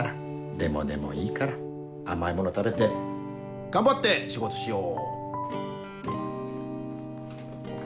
でもでもいいから甘いもの食べて頑張って仕事しよう！